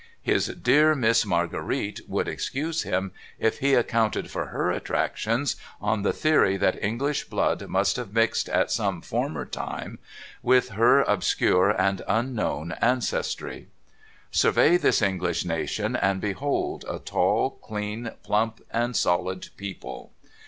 His dear Miss Marguerite would excuse him, if he accounted for her attractions on the theory that English blood must have mixed at some former time with their obscure and unknown ancestry. Survey this English nation, and behold a tall, clean, plump, and solid people